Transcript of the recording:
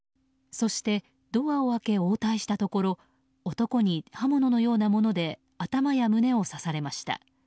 そしてドアを開け応対したところ男に刃物のようなもので頭や胸を刺されました。